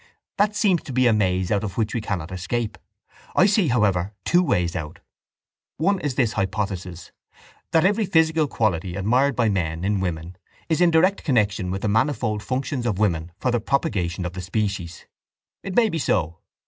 That seems to be a maze out of which we cannot escape. I see, however, two ways out. One is this hypothesis: that every physical quality admired by men in women is in direct connexion with the manifold functions of women for the propagation of the species. It may be so.